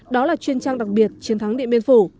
đó là chuyên trang đặc biệt chiến thắng điện biên phủ